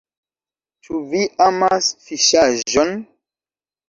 Ĉu vi amas fiŝaĵon?